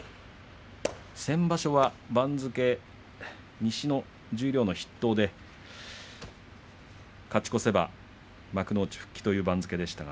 先場所は、番付西の十両筆頭で勝ち越せば幕内復帰という番付でした。